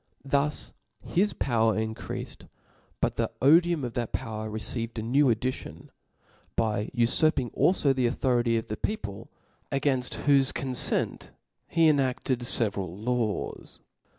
Thus his power increafed : but the (OP'onyC odijum of that power received a jiew addition, byj>gojt^^"' ufurping alfo the authority of the people, againft whofe confent he enafted feveral laws.